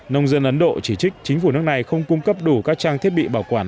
nông dân ấn độ chỉ trích chính phủ nước này không cung cấp đủ các trang thiết bị bảo quản